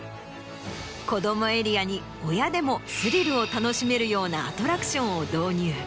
子どもエリアに親でもスリルを楽しめるようなアトラクションを導入。